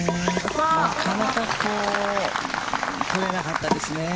なかなか取れなかったですね。